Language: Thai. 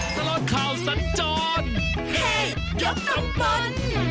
ตลอดข่าวสันจรเฮยกตำบล